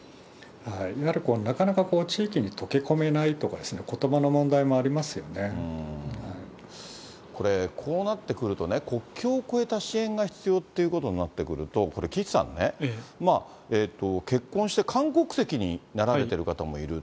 やはりなかなか地域に溶け込めないとか、これ、こうなってくるとね、国境を越えた支援が必要っていうことになってくると、岸さんね、結婚して韓国籍になられている方もいる。